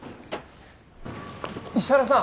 石原さん。